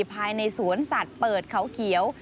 ภายในสวนสัตว์เปิดเขาเขียว